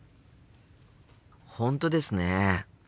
本当ですね。